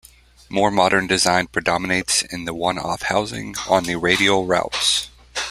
More modern design predominates in the one-off housing on the radial routes.